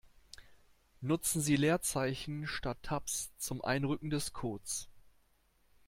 Nutzen Sie Leerzeichen statt Tabs zum Einrücken des Codes.